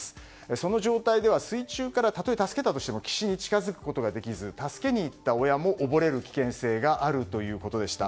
その状態では、水中からたとえ助けたとしても岸に近づくことができず助けに行った親も溺れる危険性があるということでした。